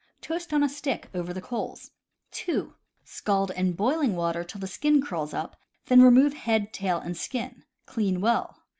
Toast on a stick over the coals. (2) Scald in boiling water till the skin curls up, then remove head, tail, and skin. Clean well.